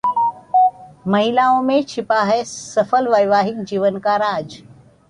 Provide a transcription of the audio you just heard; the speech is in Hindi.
महिलाओं में छिपा है सफल वैवाहिक जीवन का राज